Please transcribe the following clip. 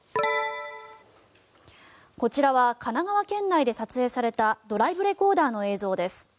こちらは神奈川県内で撮影されたドライブレコーダーの映像です。